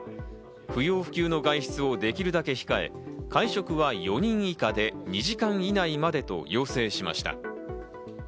不要不急の外出をできるだけ控え、会食は４人以下で２時間以内までと要請しました。